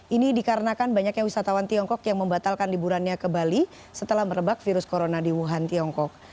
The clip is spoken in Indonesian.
ini dikarenakan banyaknya wisatawan tiongkok yang membatalkan liburannya ke bali setelah merebak virus corona di wuhan tiongkok